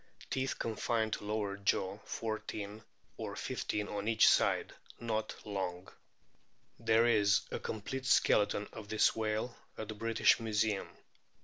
Teeth confined to lower jaw, 14 or 15 on each side ; not long. There is a complete skeleton of this whale at the British Museum.